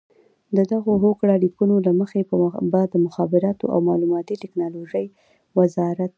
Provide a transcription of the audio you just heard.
د دغو هوکړه لیکونو له مخې به د مخابراتو او معلوماتي ټکنالوژۍ وزارت